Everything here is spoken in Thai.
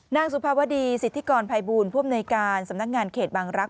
สุภาวดีสิทธิกรภัยบูลผู้อำนวยการสำนักงานเขตบางรักษ